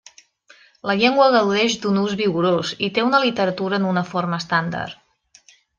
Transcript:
La llengua gaudeix d'un ús vigorós i té una literatura en una forma estàndard.